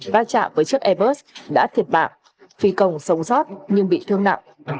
va chạm với chiếc airbus đã thiệt bạc phi công sống sót nhưng bị thương nặng